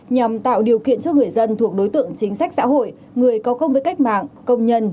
nhằm tạo điều kiện cho người dân thuộc đối tượng chính sách xã hội người có công với cách mạng công nhân